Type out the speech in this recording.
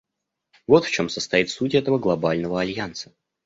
Вот в чем состоит суть этого Глобального альянса.